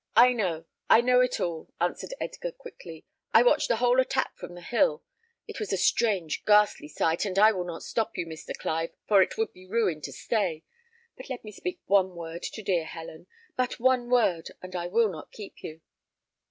"I know I know it all," answered Edgar, quickly. "I watched the whole attack from the hill. It was a strange, ghastly sight, and I will not stop you, Mr. Clive, for it would be ruin to stay; but let me speak one word to dear Helen but one word, and I will not keep you."